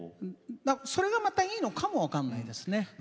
それがまたいいのかも分からないですね。